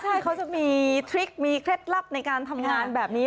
ใช่เขาจะมีทริคมีเคล็ดลับในการทำงานแบบนี้